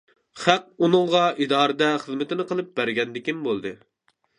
خەق ئۇنىڭغا ئىدارىدە خىزمىتىنى قىلىپ بەرگەندىكىن بولدى.